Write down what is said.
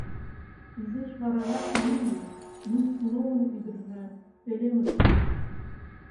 Изиш варарак Милли, мисс Сноун ӱдыржӧ, пӧлемыш пурыш.